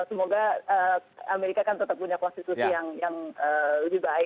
semoga amerika kan tetap punya konstitusi yang lebih baik